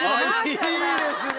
いいですね。